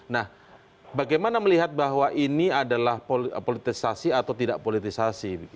nah bagaimana melihat bahwa ini adalah politisasi atau tidak politisasi